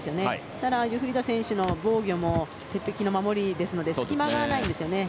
ただ、ジュフリダ選手の防御も鉄壁の守りなので隙間がないですよね。